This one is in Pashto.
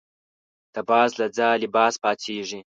د باز له ځالې باز پاڅېږي.